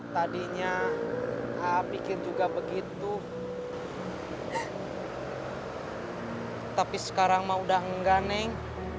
tadinya aa pikir juga begitu tapi sekarang ma udah enggak neng